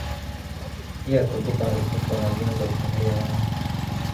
pia kuogopa mlipuko wa magonjwa kwa raia wao